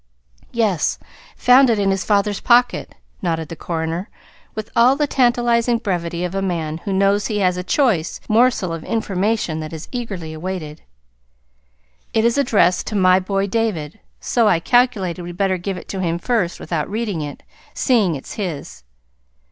"Yes. Found it in his father's pocket," nodded the coroner, with all the tantalizing brevity of a man who knows he has a choice morsel of information that is eagerly awaited. "It's addressed to 'My boy David,' so I calculated we'd better give it to him first without reading it, seeing it's his.